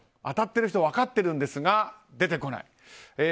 当たっている人分かっているんですが出てこない。